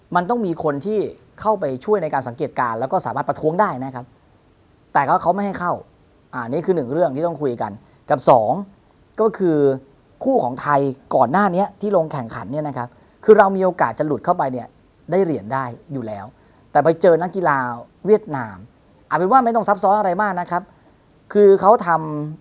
มันต้องมีคนที่เข้าไปช่วยในการสังเกตการณ์แล้วก็สามารถประท้วงได้นะครับแต่เขาไม่ให้เข้าอันนี้คือหนึ่งเรื่องที่ต้องคุยกันกับสองก็คือคู่ของไทยก่อนหน้านี้ที่ลงแข่งขันเนี่ยนะครับคือเรามีโอกาสจะหลุดเข้าไปเนี่ยได้เหรียญได้อยู่แล้วแต่ไปเจอนักกีฬาเวียดนามเอาเป็นว่าไม่ต้องซับซ้อนอะไรมากนะครับคือเขาทำ